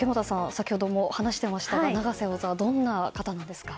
先ほども話していましたが永瀬王座は、どんな方ですか？